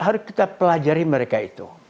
harus kita pelajari mereka itu